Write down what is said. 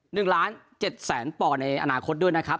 หนึ่งล้านเจ็ดแสนปอในอนาคตด้วยนะครับ